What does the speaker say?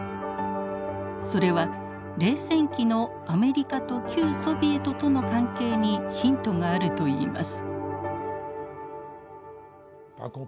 それは冷戦期のアメリカと旧ソビエトとの関係にヒントがあるといいます。